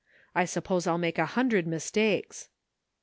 I suppose I'll make a hundred mistakes.'